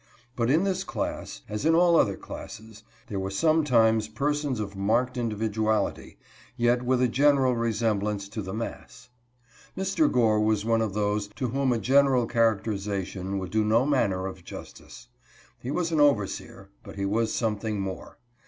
But in this class, as in all other classes, there were sometimes persons of marked individuality, yet with a general resemblance to the mass. Mr. Gore was one of those to whom a general characterization would do no manner of justice. He was an overseer, but he was something more.